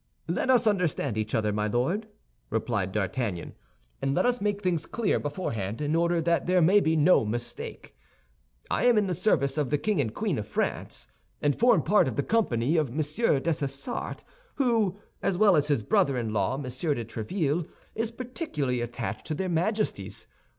"Let us understand each other, my Lord," replied D'Artagnan, "and let us make things clear beforehand in order that there may be no mistake. I am in the service of the King and Queen of France, and form part of the company of Monsieur Dessessart, who, as well as his brother in law, Monsieur de Tréville, is particularly attached to their Majesties.